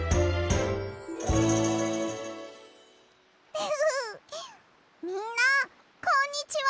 ふふふみんなこんにちは！